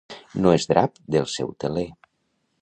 No és drap del seu teler.